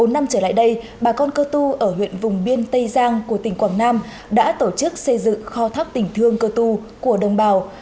bốn năm trở lại đây bà con cơ tu ở huyện vùng biên tây giang của tỉnh quảng nam đã tổ chức xây dựng kho thắp tỉnh thương cơ tu của đồng bào